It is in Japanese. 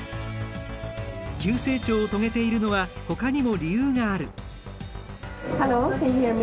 急成長を遂げているのはほかにも理由がある。